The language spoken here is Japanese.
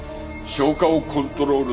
消化をコントロール。